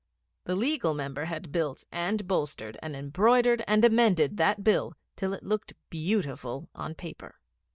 The Legal Member had built, and bolstered, and embroidered, and amended that Bill till it looked beautiful on paper.